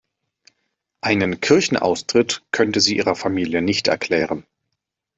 Einen Kirchenaustritt könnte sie ihrer Familie nicht erklären.